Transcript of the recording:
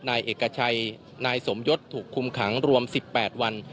นายเอกชัยนายสมยศถูกคุมขังรวม๑๘วัน